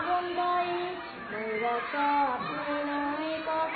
ให้พิจารณ์ชนมีสุขสรรค์